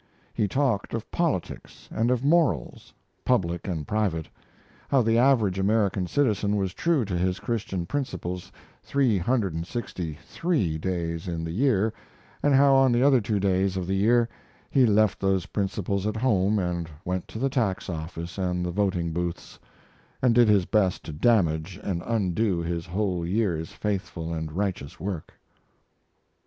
He talked of politics and of morals public and private how the average American citizen was true to his Christian principles three hundred and sixty three days in the year, and how on the other two days of the year he left those principles at home and went to the tax office and the voting booths, and did his best to damage and undo his whole year's faithful and righteous work.